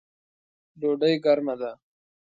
ډوډۍ ګرمه ده